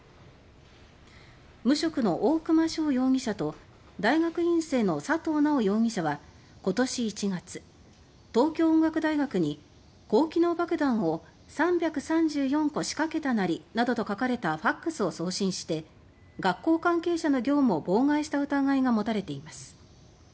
無職の大熊翔容疑者と大学院生の佐藤直容疑者は今年１月、東京音楽大学に「高機能爆弾を３３４個仕掛けたナリ」などと書かれたファクスを送信して学校関係者の業務を妨害した疑いが持たれています。